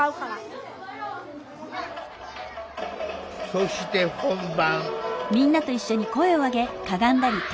そして本番。